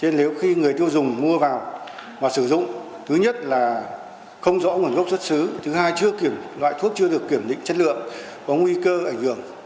nếu khi người tiêu dùng mua vào và sử dụng thứ nhất là không rõ nguồn gốc xuất xứ thứ hai là loại thuốc chưa được kiểm định chất lượng có nguy cơ ảnh hưởng